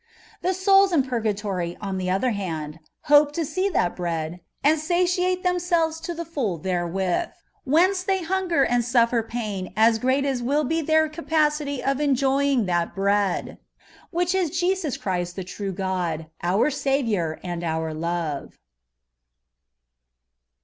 The souls in purgatory, on the other band, hope to see that Bread, and satiate themselves to the full therewith ; whence they hunger and suffér pain as great as will be their capacity of enjoying that Bread, which is Jesus Christ the true God, our Saviour and our Love.